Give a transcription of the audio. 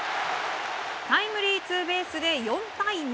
タイムリーツーベースで４対２。